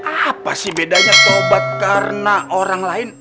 apa sih bedanya taubat karena orang lain